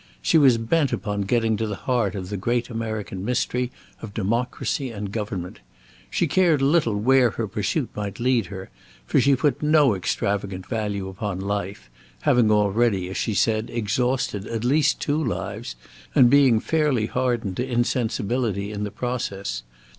She was bent upon getting to the heart of the great American mystery of democracy and government. She cared little where her pursuit might lead her, for she put no extravagant value upon life, having already, as she said, exhausted at least two lives, and being fairly hardened to insensibility in the process.